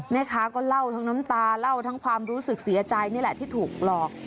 แม่ค้าก็เล่าทั้งน้ำตาเล่าทั้งความรู้สึกเสียใจนี่แหละที่ถูกหลอก